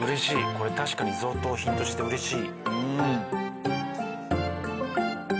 これ確かに贈答品として嬉しい。